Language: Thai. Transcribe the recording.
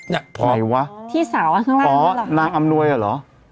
ใครวะนางอำนวยหรอ